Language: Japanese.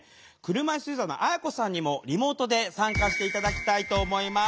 車いすユーザーのあやこさんにもリモートで参加して頂きたいと思います。